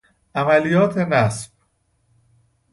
عملیات نصب